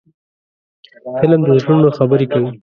فلم د زړونو خبرې کوي